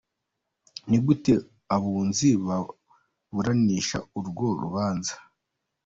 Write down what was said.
Ni gute abunzi baburanisha urwo rubanza?